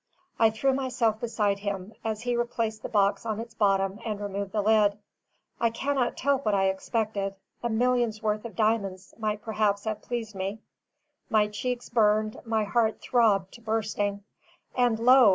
I threw myself beside him, as he replaced the box on its bottom and removed the lid. I cannot tell what I expected; a million's worth of diamonds might perhaps have pleased me; my cheeks burned, my heart throbbed to bursting; and lo!